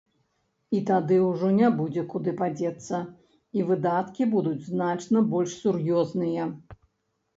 І тады ўжо не будзе куды падзецца, і выдаткі будуць значна больш сур'ёзныя.